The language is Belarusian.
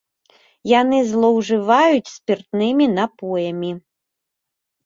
Яны злоўжываюць спіртнымі напоямі.